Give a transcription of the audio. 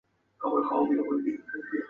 斯坦威街车站列车服务。